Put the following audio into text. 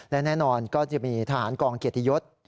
และแน่นอนก็จะมีทหารกองเกียรติยศ